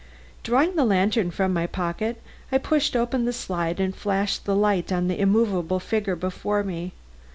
Drawing the lantern from my pocket, I pushed open the slide and flashed the light on the immovable figure before me.